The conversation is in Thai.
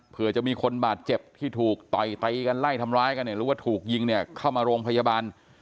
เผื่อจะมีคนบาดเจ็บที่ถูกต่อยไล่ทำร้ายกันหรือว่าถูกยิงเข้ามาโรงพยาบาล